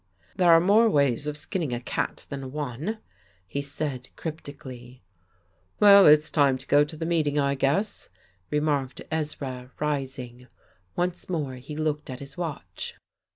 "There are more ways of skinning a cat than one," he said cryptically. "Well, it's time to go to the meeting, I guess," remarked Ezra, rising. Once more he looked at his watch.